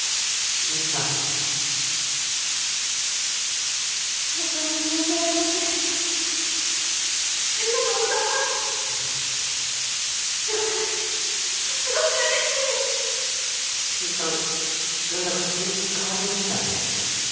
木内さん何だか雰囲気変わりましたね。